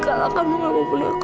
kalau kamu gak mau bunuh aku